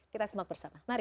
kita sembah bersama mari